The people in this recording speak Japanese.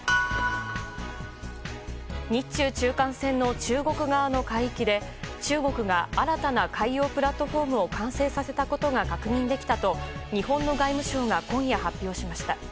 日中中間線の中国側の海域で中国が、新たな海洋プラットフォームを完成させたことが確認できたと日本の外務省が今夜、発表しました。